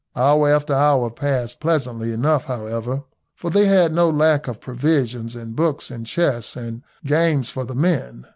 Hour after hour passed pleasantly enough, however, for they had no lack of provisions, and books, and chess, and games for the men.